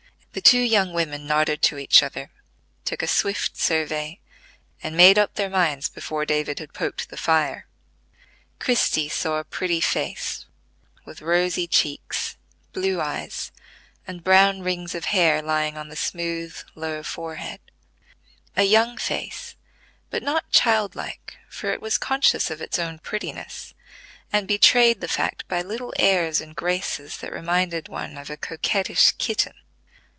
The two young women nodded to each other, took a swift survey, and made up their minds before David had poked the fire. Christie saw a pretty face with rosy cheeks, blue eyes, and brown rings of hair lying on the smooth, low forehead; a young face, but not childlike, for it was conscious of its own prettiness, and betrayed the fact by little airs and graces that reminded one of a coquettish kitten.